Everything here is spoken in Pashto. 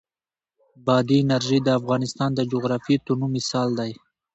بادي انرژي د افغانستان د جغرافیوي تنوع مثال دی.